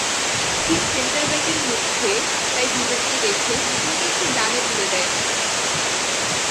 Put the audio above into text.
তিন সেন্টারব্যাকের মধ্যে তাই দুজনকে রেখে হাসানকে একটু ডানে তুলে দেন মারুফ।